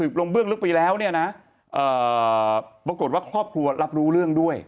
ปรากฏว่าข้อประเภทรับรู้เรื่องด้วย